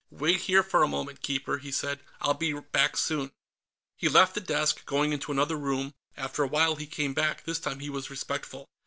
"Wait here for a moment, Keeper," he said. "I'll be back soon." He left the desk, going into another room. After a while, he came back. This time he was respectful.